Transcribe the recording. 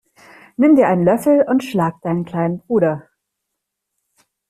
Nimm dir einen Löffel und schlag deinen kleinen Bruder!